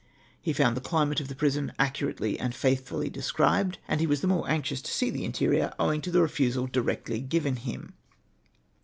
He found the climate of the jorison accurately and faithfully described, and he was the more anxious to see the interior, owing to the refusal directly given him.